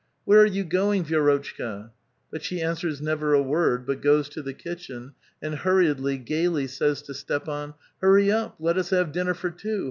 " Where are you going, Vi^rotchka? " But she answers never a word, but goes to the kitchen, and hurriedly, gayly, says to Stepan: "Hurry up; let us have dinner for two